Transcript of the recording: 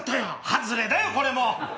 外れだよこれも！